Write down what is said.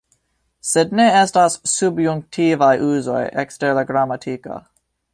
Sed ne estas subjunktivaj uzoj ekster la gramatiko.